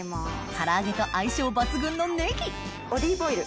唐揚げと相性抜群のネギオリーブオイル。